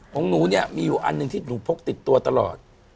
ของหนูเนี่ยมีอยู่อันหนึ่งที่หนูพกติดตัวตลอด